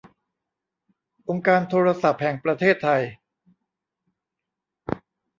องค์การโทรศัพท์แห่งประเทศไทย